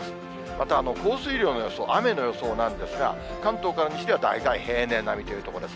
また、降水量の予想、雨の予想なんですが、関東から西では大体平年並みというところです。